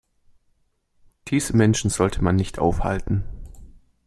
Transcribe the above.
Diese Menschen sollte man nicht aufhalten.